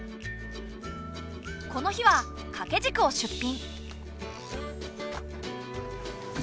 この日はかけじくを出品。